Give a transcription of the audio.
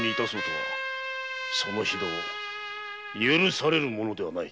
その非道許されるものではない。